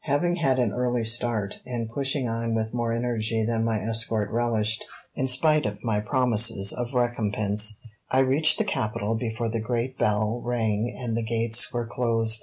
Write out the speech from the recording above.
Having had an early start, and pushing on with more energy than my escort relished, in spite of my promises of recompense, I reached the capital before the great bell rang and the gates were closed.